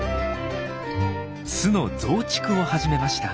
巣の増築を始めました。